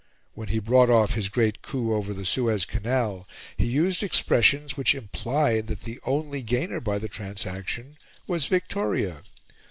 When he brought off his great coup over the Suez Canal, he used expressions which implied that the only gainer by the transaction was Victoria.